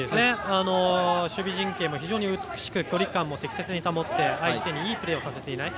守備陣形も美しく距離感も適切に保って相手にいいプレーをさせていない。